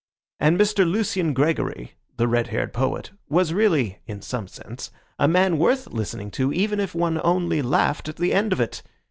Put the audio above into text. And Mr. Lucian Gregory, the red haired poet, was really (in some sense) a man worth listening to, even if one only laughed at the end of it.